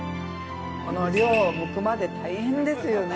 この量剥くまで大変ですよね。